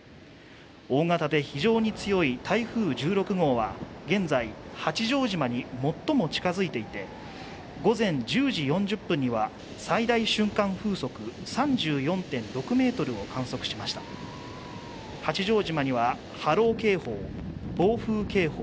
大型で非常に強い台風１６号は現在八丈島に最も近づいていて午前１０時４０分には最大瞬間風速３４．６メートルを観測しました八丈島には波浪警報暴風警報